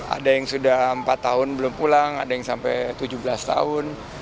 ada yang sudah empat tahun belum pulang ada yang sampai tujuh belas tahun